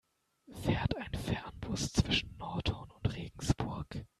Fährt ein Fernbus zwischen Nordhorn und Regensburg?